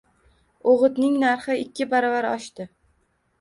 O`g`itning narxi ikki baravar oshdi